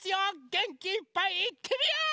げんきいっぱいいってみよ！